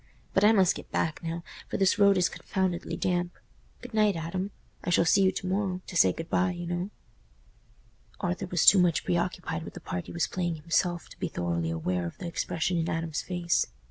But I must get back now, for this road is confoundedly damp. Good night, Adam. I shall see you to morrow—to say good bye, you know." Arthur was too much preoccupied with the part he was playing himself to be thoroughly aware of the expression in Adam's face.